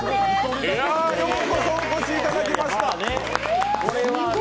ようこそお越しいただきました！